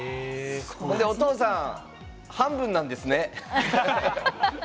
お父さん、半分なんですね。